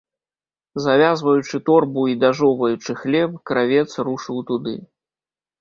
Завязваючы торбу і дажоўваючы хлеб, кравец рушыў туды.